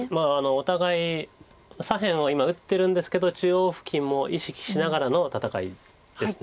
お互い左辺を今打ってるんですけど中央付近も意識しながらの戦いです。